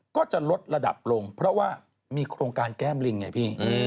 ก็จะลดระดับลงเพราะว่ามีโครงการแก้มลิงไงพี่